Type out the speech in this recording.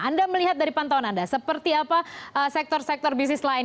anda melihat dari pantauan anda seperti apa sektor sektor bisnis lain